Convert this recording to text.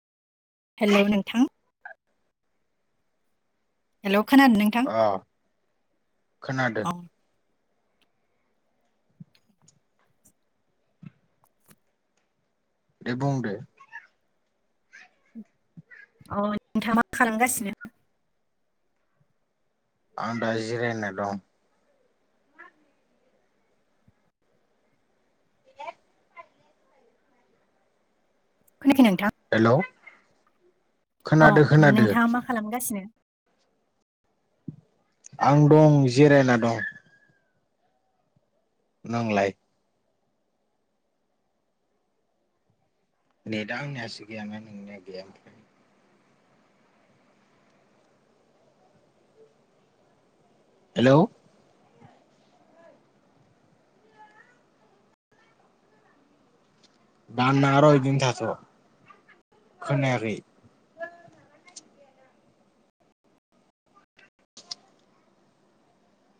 हेल' नोंथां हेल' खोनादों नोंथां अ खोनादों औ दे बुंदे अ नोंथाङा मा खालामगासिनो आं दायो जिरायना दं खोनायाखै नोंथां हेलौ खोनादो अ' खोनादो नोंथाङा मा खालामगासिनो आं दं जिरायना दं नोंलाय नेदा आंनियासो गैया ना नोंनिया गैया ओमफ्राय? हेलौ दान नाङा र' इदिनो थाथ' खोनायाखै